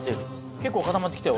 結構固まってきたよ！